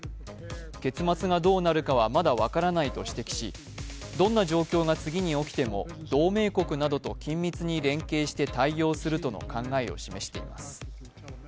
結末がどうなるかはまだ分からないと指摘し、どんな状況が次に起きても同盟国などと緊密に連携して対応するとの考えを示しています。